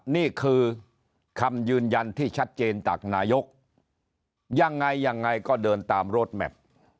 นี่คือคำยืนยันที่ชัดเจนจากนายกยังไงยังไงก็เดินตามโรดแมพ